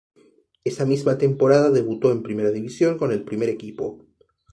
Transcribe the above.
Esa misma temporada debutó en Primera División con el primer equipo.